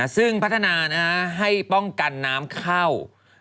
ซึ่งพัฒนาให้ป้องกันน้ำเข้า